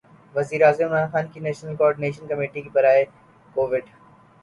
وزیرِ اعظم عمران خان کی نیشنل کوارڈینیشن کمیٹی برائے کوویڈ